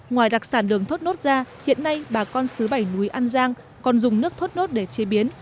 ngoài đặc sản đường thốt nốt ra hiện nay bà con xứ bảy núi an giang còn dùng nước thốt nốt để chế biến